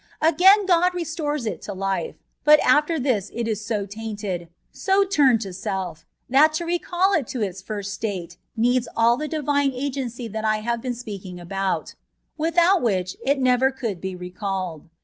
Again God restores it to life ; but after this it is so tainted, so tumed to self^ that to recali it to its first state needs ali that Divine agency that I bave been speaking about, without which it never could be recalled.